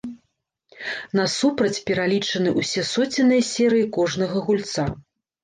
Насупраць пералічаны ўсе соценныя серыі кожнага гульца.